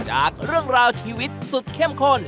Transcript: จากเรื่องราวชีวิตสุดเข้มข้น